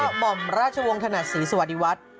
หม่อมราชวงศ์ถนัดศรีสวัสดีวัฒน์